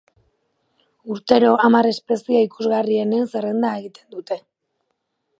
Urtero, hamar espezie ikusgarrienen zerrenda egiten dute.